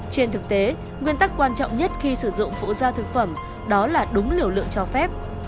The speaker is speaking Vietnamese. trên thực tế nguyên tắc quan trọng nhất khi sử dụng phụ gia thực phẩm đó là đúng liều lượng cho phép